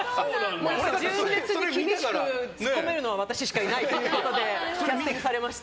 純烈に厳しくツッコめるのは私しかいないということで抜擢されました。